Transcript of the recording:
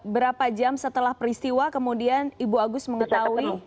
berapa jam setelah peristiwa kemudian ibu agus mengetahui